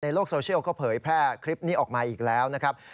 โลกโซเชียลก็เผยแพร่คลิปนี้ออกมาอีกแล้วนะครับ